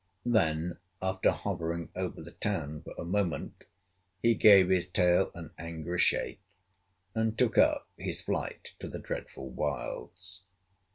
Then, after hovering over the town for a moment, he gave his tail an angry shake and took up his flight to the dreadful wilds.